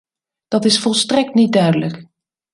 Dat is volstrekt niet duidelijk.